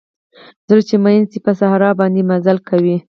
زړه چې مئین شي په صحرا باندې مزلې کوي